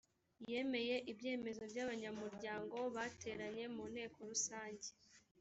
yemeye ibyemezo by’abanyamuryango bateranye mu nteko rusange